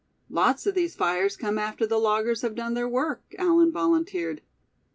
"Lots of these fires come after the loggers have done their work," Allan volunteered.